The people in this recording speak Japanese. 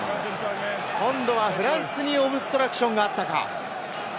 今度はフランスにオブストラクションがあったか。